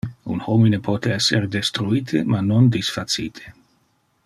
Un homine pote esser destruite ma non disfacite.